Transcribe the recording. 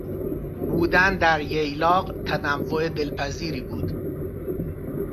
بودن در ییلاق تنوع دلپذیری بود.